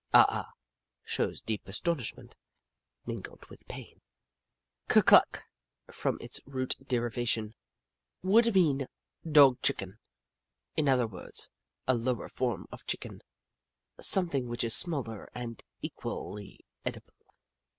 Ah Ah shows deep astonishment, mingled with pain. Ker Cluck, from its root derivation, would mean Dog Chicken. In other words, a lower form of Chicken, something which is smaller and equally edible.